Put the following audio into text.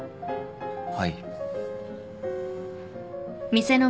はい。